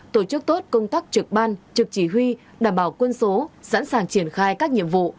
tổ chức tốt công tác trực ban trực chỉ huy đảm bảo quân số sẵn sàng triển khai các nhiệm vụ